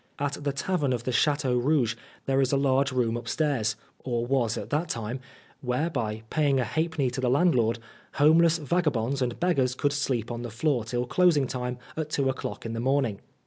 At the tavern of the Chateau Rouge there is a large room upstairs, or was at that time, where, by paying a halfpenny to the landlord, homeless vagabonds and beggars could sleep on the floor till closing time at two o'clock in the morning.